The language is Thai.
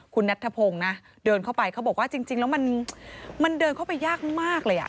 คุณนัทธพงศ์นะเดินเข้าไปเขาบอกว่าจริงแล้วมันเดินเข้าไปยากมากเลยอ่ะ